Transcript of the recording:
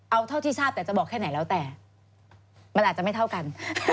เอาเท่าที่ทราบแต่จะบอกแค่ไหนแล้วแต่มันอาจจะไม่เท่ากัน